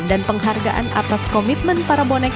dan penghargaan atas komitmen para bonek